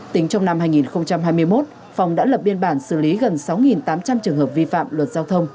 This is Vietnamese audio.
tính trong năm hai nghìn hai mươi một phòng đã lập biên bản xử lý gần sáu tám trăm linh trường hợp vi phạm luật giao thông